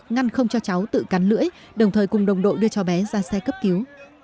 ngăn không cho cháu tự cắn lưỡi đồng thời cùng đồng đội đưa cho bé ra xe cấp cứu